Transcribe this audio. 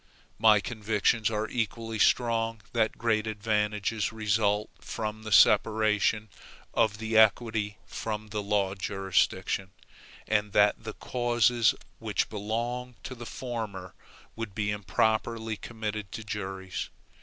My convictions are equally strong that great advantages result from the separation of the equity from the law jurisdiction, and that the causes which belong to the former would be improperly committed to juries.